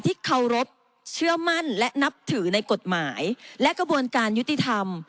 เคารพเชื่อมั่นและนับถือในกฎหมายและกระบวนการยุติธรรม